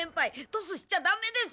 トスしちゃダメです！